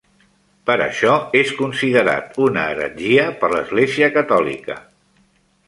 Per això és considerat una heretgia per l'Església catòlica.